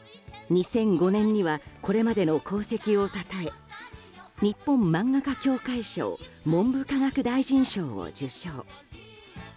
２００５年にはこれまでの功績をたたえ日本漫画家協会賞文部科学大臣賞を受賞。